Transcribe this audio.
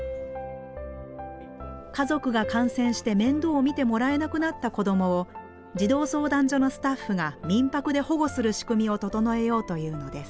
家族が感染して面倒を見てもらえなくなった子供を児童相談所のスタッフが民泊で保護する仕組みを整えようというのです。